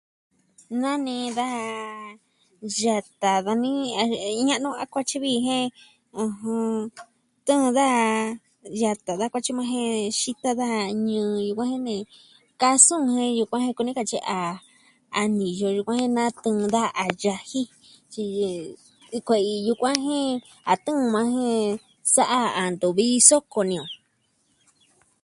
Nanee daja, yata dani ña'nu a kuatyi vi jen ɨjɨn... tɨɨn daja yata da kuatyi maa jen xita daja ñɨɨ va jen ne kasun jen yukuan jen kuni katyi a niyo yukuan jen natɨɨn da a yaji. Tyi kue'i yukuan jen a tɨɨn maa jen sa'a a ntuvi soko ini o.